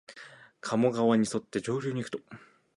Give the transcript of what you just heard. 加茂川にそって上流にいくと、